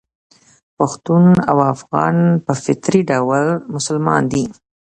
پښتون او افغان په فطري ډول مسلمان دي.